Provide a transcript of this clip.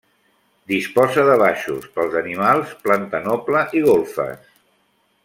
Disposa de baixos, pels animals, planta noble i golfes.